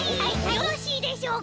よろしいでしょうか？